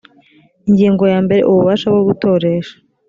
ingingo ya mbere ububasha bwo gutoresha